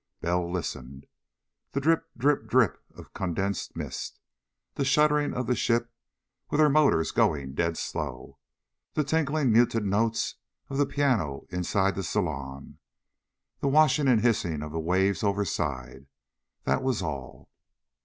Bell listened. The drip drip drip of condensed mist. The shuddering of the ship with her motors going dead slow. The tinkling, muted notes of the piano inside the saloon. The washing and hissing of the waves overside. That was all.